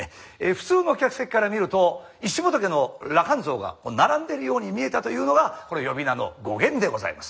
普通の客席から見ると石仏の羅漢像が並んでるように見えたというのがこの呼び名の語源でございます。